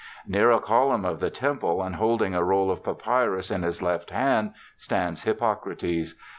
Near a column of the temple, and holding a roll of papyrus in his left hand, stands Hippocrates.